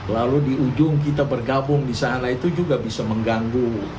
lalu di ujung kita bergabung di sana itu juga bisa mengganggu